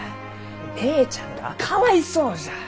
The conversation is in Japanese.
姉ちゃんがかわいそうじゃ！